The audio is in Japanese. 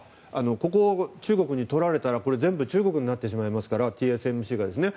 ここを中国にとられたら全部中国になってしまいますからＴＳＭＣがですね。